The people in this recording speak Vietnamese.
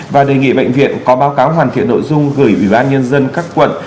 và đề nghị bệnh viện có báo cáo hoàn thiện nội dung gửi ủy ban nhân dân các quận